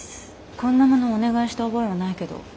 こんなものお願いした覚えはないけど。